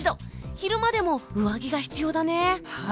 昼間でも上着が必要だね。